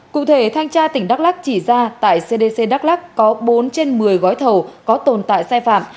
cụ thể thanh tra tỉnh đắk lắc chỉ ra tại cdc đắk lắc có bốn trên một mươi gói thầu có tồn tại sai phạm